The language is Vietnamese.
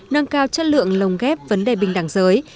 nâng cao chất lượng lồng ghép vấn đề bình đẳng giới